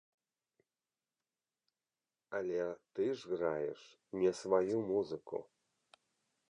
Але ты ж граеш не сваю музыку!